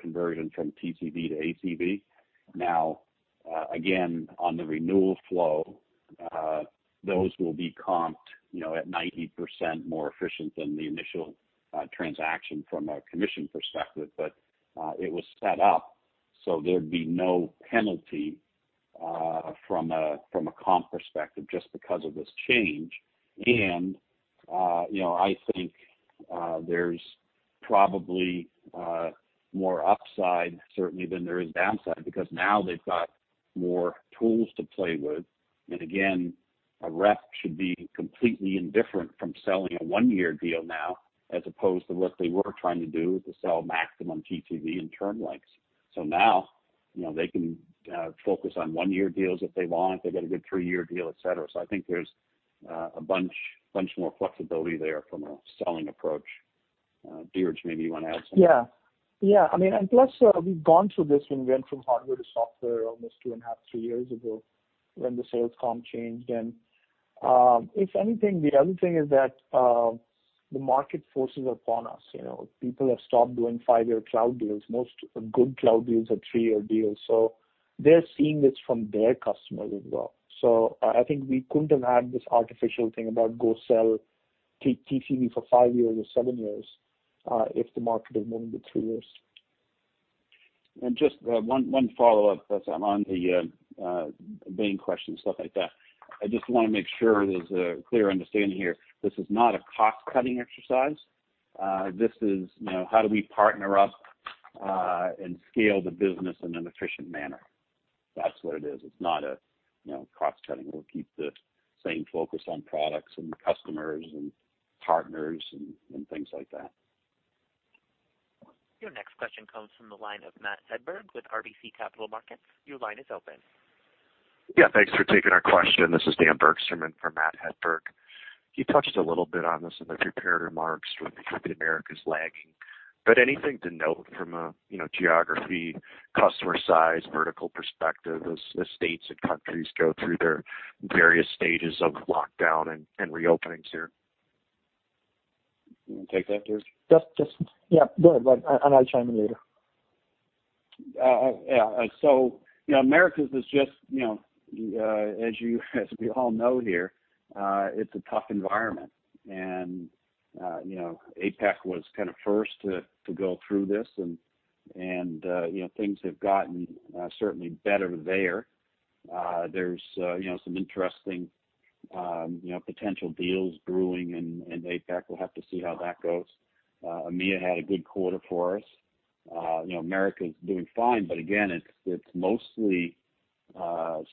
conversion from TCV to ACV. Now, again, on the renewal flow, those will be comped at 90% more efficient than the initial transaction from a commission perspective. It was set up so there'd be no penalty from a comp perspective just because of this change. I think there's probably more upside certainly than there is downside, because now they've got more tools to play with. Again, a rep should be completely indifferent from selling a one-year deal now, as opposed to what they were trying to do, to sell maximum TCV and term lengths. Now they can focus on one-year deals if they want, they get a good three-year deal, et cetera. I think there's a bunch more flexibility there from a selling approach. Dheeraj, maybe you want to add something. Yeah. We've gone through this when we went from hardware to software almost two and a half, three years ago when the sales comp changed. The other thing is that the market forces upon us. People have stopped doing five-year cloud deals. Most good cloud deals are three-year deals, they're seeing this from their customers as well. I think we couldn't have had this artificial thing about go sell TCV for five years or seven years if the market is moving to three years. Just one follow-up as I'm on the Bain question, stuff like that. I just want to make sure there's a clear understanding here. This is not a cost-cutting exercise. This is how do we partner up and scale the business in an efficient manner. That's what it is. It's not a cost-cutting. We'll keep the same focus on products and customers and partners and things like that. Your next question comes from the line of Matthew Hedberg with RBC Capital Markets. Your line is open. Yeah, thanks for taking our question. This is Daniel Bergstrom in for Matthew Hedberg. You touched a little bit on this in the prepared remarks with Americas lagging. Anything to note from a geography, customer size, vertical perspective as the states and countries go through their various stages of lockdown and reopenings here? You want to take that, Ajit? Just. Yeah, go ahead, Bud, and I'll chime in later. Americas is just, as we all know here, it's a tough environment. APAC was kind of first to go through this, and things have gotten certainly better there. There's some interesting potential deals brewing in APAC. We'll have to see how that goes. EMEA had a good quarter for us. Americas doing fine, again, it's mostly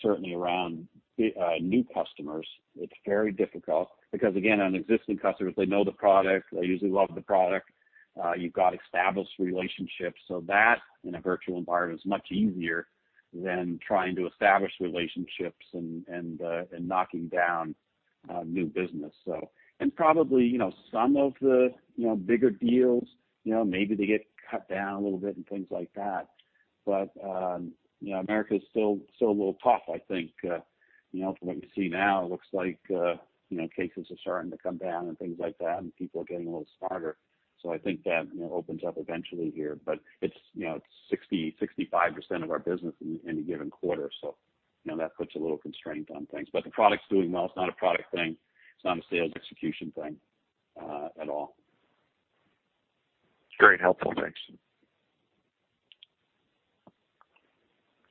certainly around new customers. It's very difficult because, again, on existing customers, they know the product. They usually love the product. You've got established relationships, that in a virtual environment is much easier than trying to establish relationships and knocking down new business. Probably, some of the bigger deals, maybe they get cut down a little bit and things like that. Americas is still a little tough, I think. From what you see now, looks like cases are starting to come down and things like that, and people are getting a little smarter. I think that opens up eventually here. It's 60%-65% of our business in a given quarter. That puts a little constraint on things. The product's doing well. It's not a product thing. It's not a sales execution thing at all. It's very helpful. Thanks.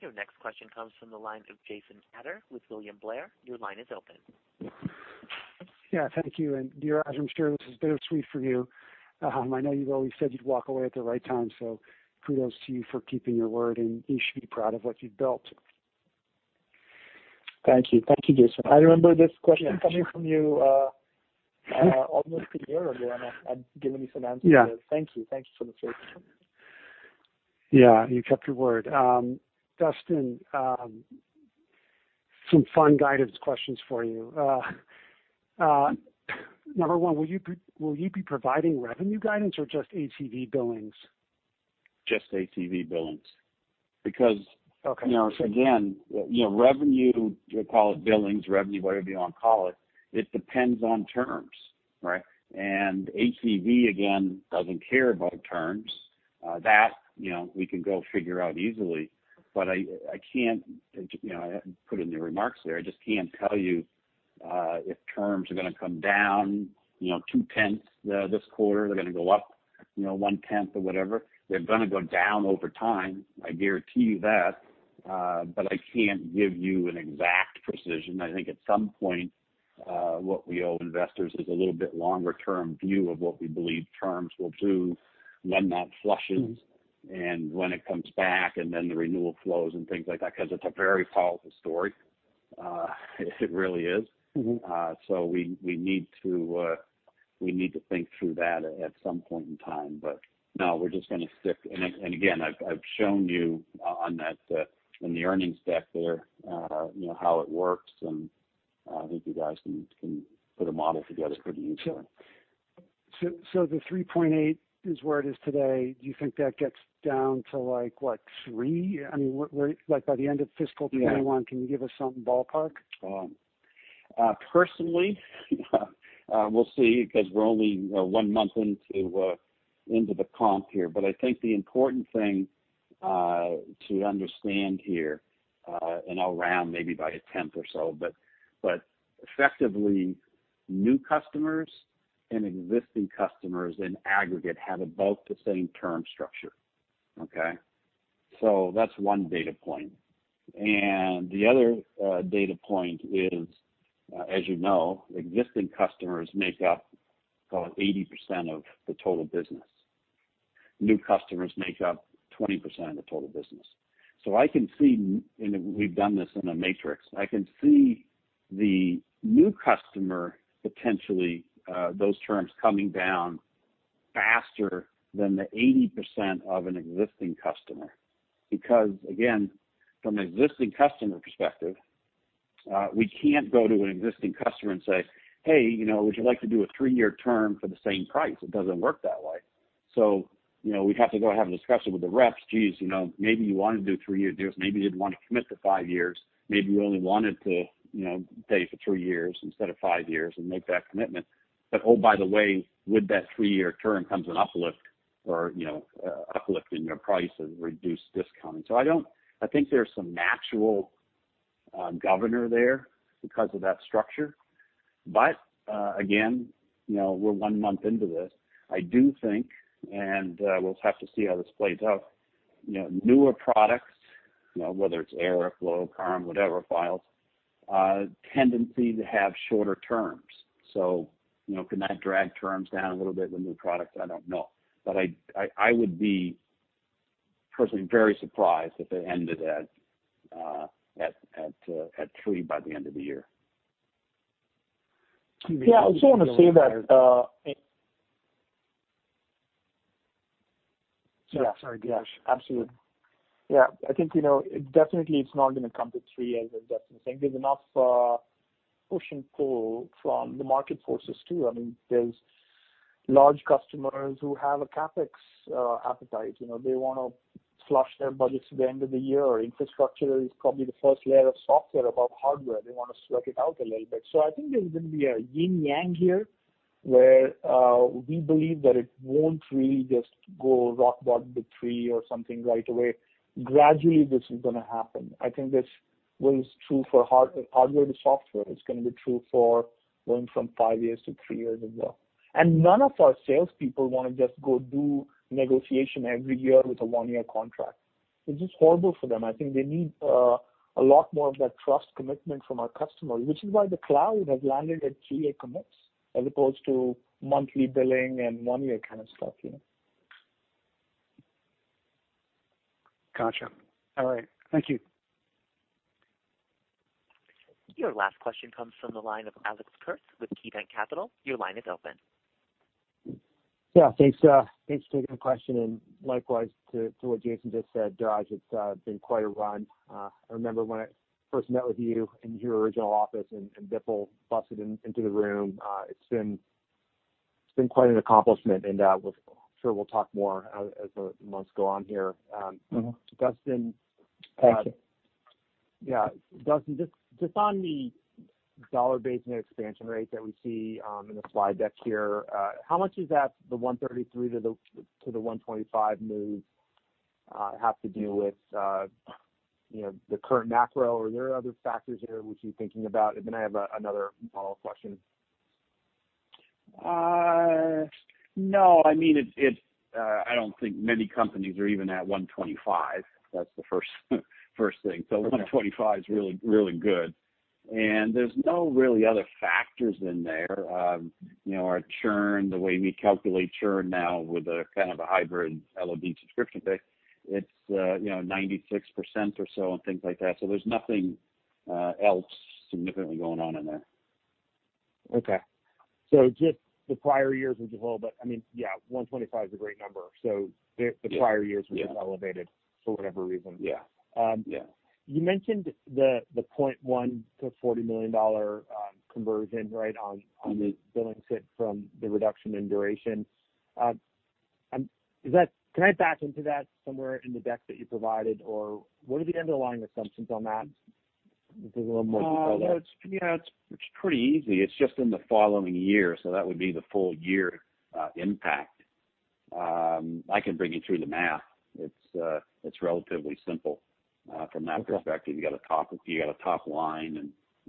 Your next question comes from the line of Jason Ader with William Blair. Your line is open. Yeah. Thank you. Dheeraj, I'm sure this is bittersweet for you. I know you've always said you'd walk away at the right time, kudos to you for keeping your word, you should be proud of what you've built. Thank you. Thank you, Jason. I remember this question. Yeah, sure. coming from you almost a year ago, and I've given you some answers. Yeah. Thank you. Thank you for the You kept your word. Duston, some fun guidance questions for you. Number one, will you be providing revenue guidance or just ACV billings? Just ACV billings. Okay. Revenue, we'll call it billings, revenue, whatever you want to call it depends on terms, right? ACV, again, doesn't care about terms. That, we can go figure out easily. I can't put it in the remarks there. I just can't tell you if terms are going to come down two-tenths this quarter. They're going to go up one-tenth or whatever. They're going to go down over time, I guarantee you that. I can't give you an exact precision. I think at some point, what we owe investors is a little bit longer-term view of what we believe terms will do when that flushes and when it comes back, and then the renewal flows and things like that, because it's a very powerful story. It really is. We need to think through that at some point in time. No, we're just going to stick. Again, I've shown you on the earnings deck there how it works, and I think you guys can put a model together pretty easily. The 3.8 is where it is today. Do you think that gets down to like what, three? I mean, like by the end of fiscal 2021? Yeah. Can you give us something ballpark? Personally, we'll see because we're only one month into the comp here. I think the important thing to understand here, I'll round maybe by a tenth or so, effectively, new customers and existing customers in aggregate have about the same term structure. Okay. That's one data point. The other data point is, as you know, existing customers make up about 80% of the total business. New customers make up 20% of the total business. I can see, we've done this in a matrix. I can see the new customer, potentially, those terms coming down faster than the 80% of an existing customer. Again, from an existing customer perspective, we can't go to an existing customer and say, "Hey, would you like to do a three-year term for the same price?" It doesn't work that way. We'd have to go have a discussion with the reps. Geez, maybe you want to do three-year deals. Maybe you'd want to commit to five years. Maybe you only wanted to pay for three years instead of five years and make that commitment. Oh, by the way, with that three-year term comes an uplift or uplift in your price of reduced discounting. I think there's some natural governor there because of that structure. Again, we're one month into this. I do think, and we'll have to see how this plays out. Newer products, whether it's Era, Flow, Calm, whatever Files, tendency to have shorter terms. Can that drag terms down a little bit with new products? I don't know. I would be personally very surprised if it ended at three by the end of the year. I just want to say that. Yeah. Sorry, Dheeraj. Absolutely. Yeah, I think definitely it's not going to come to three, as Duston's saying. There's enough push and pull from the market forces, too. There's large customers who have a CapEx appetite. They want to flush their budgets at the end of the year. Infrastructure is probably the first layer of software above hardware. They want to sweat it out a little bit. I think there's going to be a yin-yang here, where we believe that it won't really just go rock bottom to three or something right away. Gradually, this is going to happen. I think this was true for hardware to software. It's going to be true for going from five years to three years as well. None of our salespeople want to just go do negotiation every year with a one-year contract. It's just horrible for them. I think they need a lot more of that trust commitment from our customers, which is why the cloud has landed at three-year commits, as opposed to monthly billing and one year kind of stuff. Got you. All right. Thank you. Your last question comes from the line of Alex Kurtz with KeyBanc Capital. Your line is open. Yeah, thanks for taking the question, and likewise to what Jason just said, Dheeraj, it's been quite a run. I remember when I first met with you in your original office, and Biffle busted into the room. It's been quite an accomplishment, and I'm sure we'll talk more as the months go on here. Dustin- Thank you. Yeah. Duston, just on the dollar-based net expansion rate that we see in the slide deck here, how much is that the 133%-125% move have to do with the current macro? Are there other factors here which you're thinking about? I have another follow-up question. I don't think many companies are even at 125. That's the first thing. 125 is really good. There's no really other factors in there. Our churn, the way we calculate churn now with a kind of a hybrid LOD subscription fee, it's 96% or so and things like that. There's nothing else significantly going on in there. Okay. Just the prior years as a whole, but yeah, 125 is a great number. Yeah. prior years were just elevated for whatever reason. Yeah. You mentioned the 0.1-$40 million conversion on the billing hit from the reduction in duration. Can I back into that somewhere in the deck that you provided, or what are the underlying assumptions on that? If there's a little more detail there. It's pretty easy. It's just in the following year. That would be the full-year impact. I can bring you through the math. It's relatively simple from that perspective. You got a top line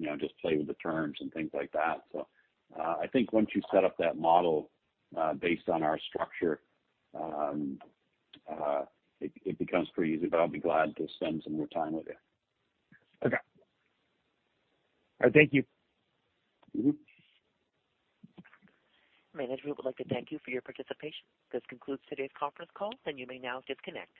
and just play with the terms and things like that. I think once you set up that model based on our structure, it becomes pretty easy, but I'll be glad to spend some more time with you. Okay. All right, thank you. Management, we would like to thank you for your participation. This concludes today's conference call, and you may now disconnect.